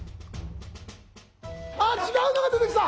あっ違うのが出てきた。